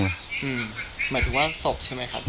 หมายถึงว่าศพใช่ไหมครับ